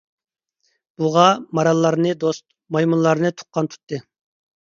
بۇغا، ماراللارنى دوست، مايمۇنلارنى تۇغقان تۇتتى.